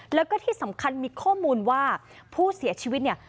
แล้วก็ที่สำคัญมีข้อมูลว่าผู้เสียชีวิตเนี่ย